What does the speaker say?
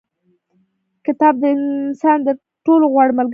کتاب د انسان تر ټولو غوره ملګری کېدای سي.